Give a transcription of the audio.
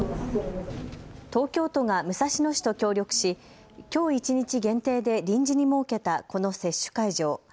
東京都が武蔵野市と協力しきょう一日限定で臨時に設けたこの接種会場。